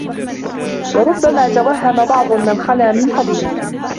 وَرُبَّمَا تَوَهَّمَ بَعْضُ مَنْ خَلَا مِنْ فَضْلٍ